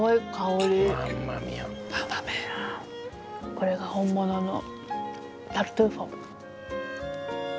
これが本物のタルトゥーフォ。